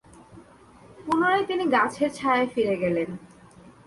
পুনরায় তিনি গাছের ছায়ায় ফিরে গেলেন।